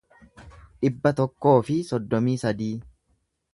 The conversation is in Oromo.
dhibba tokkoo fi soddomii sadii